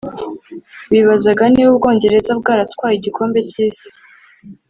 Bibazaga niba u Bwongereza bwaratwaye igikombe cy’ isi